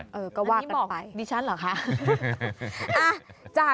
อันนี้เหมาะบี่ชั้นหรอค่ะ